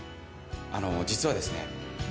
あの実はですね。